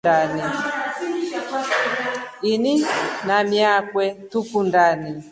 Ini na mii akwe tukundani.